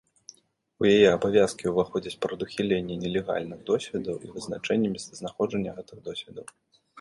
У яе абавязкі ўваходзіць прадухіленне нелегальных досведаў і вызначэнне месцазнаходжання гэтых досведаў.